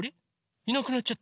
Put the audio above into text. いなくなっちゃった。